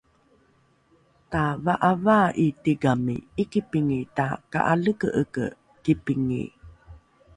tava’avaa’i tigami ’ikipingi taka’aleke’eke kipingi